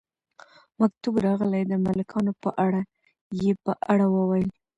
مکتوب راغلی د ملکانو په اړه، یې په اړه وویل.